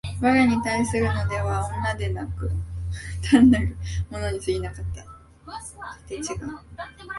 我に対するのは汝でなく、単なる物に過ぎなかった。